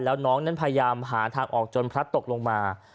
แล้วน้องนั้นพยายามหาทางออกจนพลัดตกลงมา